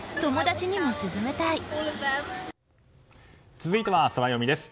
続いてはソラよみです。